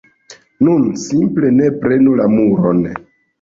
Nun, simple ne prenu la muron